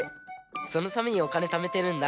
そのためにおかねためてるんだ。